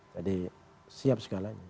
jadi siap segalanya